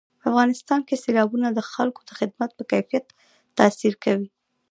په افغانستان کې سیلابونه د خلکو د ژوند په کیفیت تاثیر کوي.